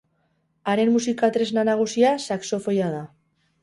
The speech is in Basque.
Haren musika tresna nagusia saxofoia da.